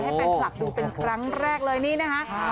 ให้แฟนคลับดูเป็นครั้งแรกเลยนี่นะคะ